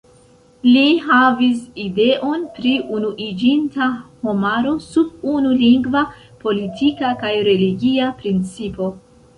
Li havis ideon pri unuiĝinta homaro sub unu lingva, politika kaj religia principo.